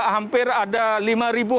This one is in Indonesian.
hampir ada lintasan